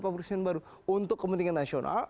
pabrik semen baru untuk kepentingan nasional